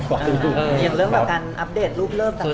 เห็นเรื่องกับการอัพเดทรูปเลิกต่าง